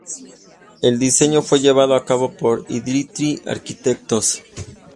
El diseño fue llevado a cabo por Arditti Arquitectos.